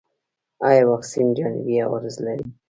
ایا واکسین جانبي عوارض لري؟